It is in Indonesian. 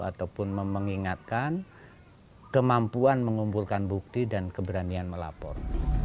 ataupun mengingatkan kemampuan mengumpulkan bukti dan keberanian melapor